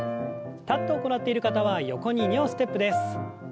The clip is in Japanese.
立って行っている方は横に２歩ステップです。